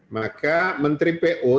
maka menteri pu